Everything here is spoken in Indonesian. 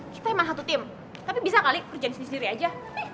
kita emang satu tim tapi bisa kali kerjaan sendiri aja